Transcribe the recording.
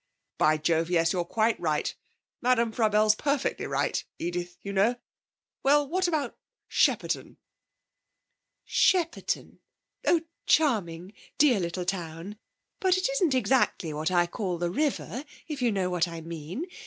'By jove, yes, you're quite right. Madame Frabelle's perfectly right, Edith, you know. Well, what about Shepperton?' 'Shepperton? Oh, charming! Dear little town. But it isn't exactly what I call the river, if you know what I mean.